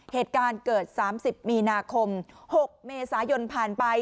เหตุการณ์เกิดสามสิบมีนาคมหกเมษายนผ่านไป